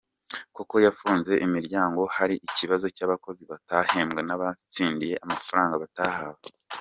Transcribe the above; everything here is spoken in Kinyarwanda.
Koko yafunze imiryango hari ikibazo cy’abakozi batahembwe n’abatsindiye amafaranga batahawe.